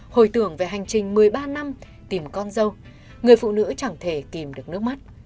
hồi tưởng về hành trình một mươi ba năm tìm con dâu người phụ nữ chẳng thể tìm được nước mắt